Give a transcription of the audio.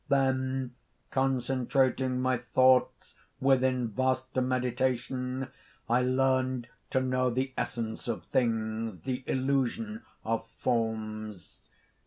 "Then, concentrating my thoughts within vaster meditation, I learned to know the essence of things, the illusion of forms.